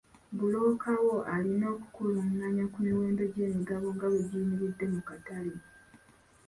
Bbulooka wo alina okukulungamya ku miwendo gy'emigabo nga bwe giyimiridde mu katale.